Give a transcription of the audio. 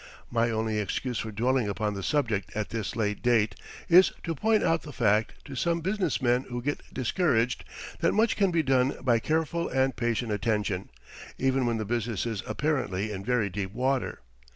My only excuse for dwelling upon the subject at this late day is to point out the fact to some business men who get discouraged that much can be done by careful and patient attention, even when the business is apparently in very deep water.